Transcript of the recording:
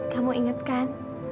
kamu ingat kan